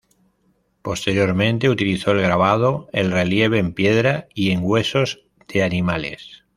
Posteriormente utilizó el grabado, el relieve en piedra y en huesos de animales.